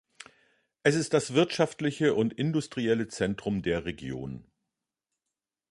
Es ist das wirtschaftliche und industrielle Zentrum der Region.